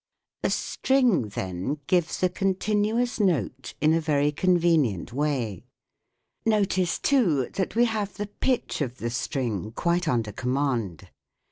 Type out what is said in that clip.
A string, then, gives a continuous note in a very convenient way. Notice too that we have the pitch of the string quite under command.